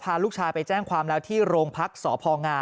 พาลูกชายไปแจ้งความแล้วที่โรงพักษ์สพง